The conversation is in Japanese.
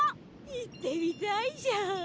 行ってみたいじゃん。